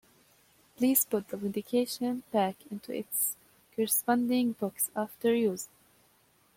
Please put the medication back into its corresponding box after use.